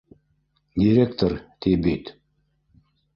— Директор, ти бит